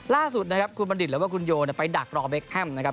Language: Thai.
ล่าสุดนะครับคุณบัณฑิตหรือว่าคุณโยไปดักรอเบคแฮมนะครับ